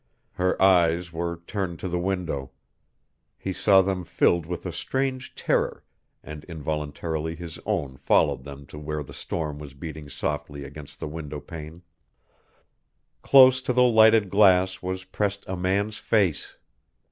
Her eyes were turned to the window. He saw them filled with a strange terror, and involuntarily his own followed them to where the storm was beating softly against the window pane. Close to the lighted glass was pressed a man's face.